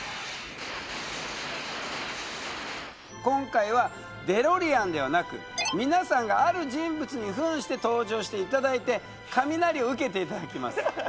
今回はデロリアンではなく皆さんがある人物に扮して登場していただいて雷を受けていただきます